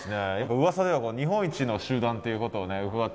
うわさでは日本一の集団っていうことを伺ってますけども。